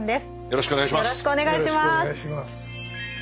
よろしくお願いします。